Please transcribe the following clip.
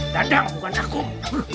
dadan bukan akum